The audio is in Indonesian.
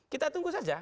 kita tunggu saja